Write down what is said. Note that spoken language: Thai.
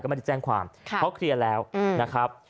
ไม่ได้แจ้งความเพราะเคลียร์แล้วนะครับ